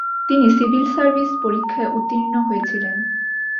তিনি civil service পরীক্ষায় উত্তীর্ণ হয়েছিলেন।